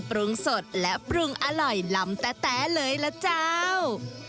ปรุงสดและปรุงอร่อยลำแต๊เลยล่ะเจ้า